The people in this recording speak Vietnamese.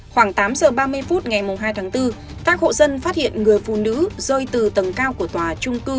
khoảng tám giờ ba mươi phút ngày hai tháng bốn các hộ dân phát hiện người phụ nữ rơi từ tầng cao của tòa trung cư